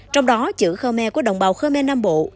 trong đó chữ khmer của đồng bào khmer nam bộ